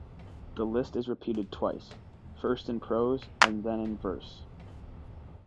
The list is repeated twice, first in prose and then in verse.